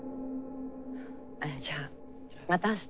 じゃあまた明日。